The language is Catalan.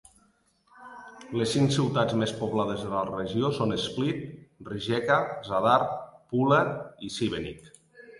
Les cinc ciutats més poblades de la regió són Split, Rijeka, Zadar, Pula i Šibenik.